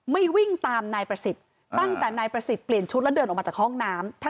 วิ่งตามนายประสิทธิ์ตั้งแต่นายประสิทธิ์เปลี่ยนชุดแล้วเดินออกมาจากห้องน้ำ